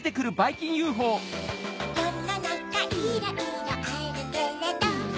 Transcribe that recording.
よのなかいろいろあるけれど